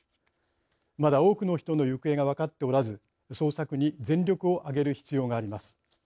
まだ多くの人の行方が分かっておらず捜索に全力を挙げる必要があります。